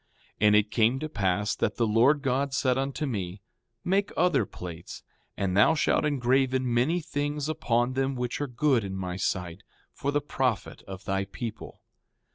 5:30 And it came to pass that the Lord God said unto me: Make other plates; and thou shalt engraven many things upon them which are good in my sight, for the profit of thy people.